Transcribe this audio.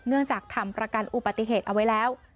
เนื่องจากทำประกันอุปติเหตุเอาไว้แล้ว